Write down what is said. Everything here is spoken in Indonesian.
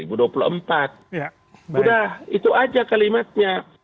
udah itu aja kalimatnya